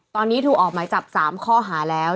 ตอนนี้ถูกออกหมายจับ๓ข้อหาแล้ว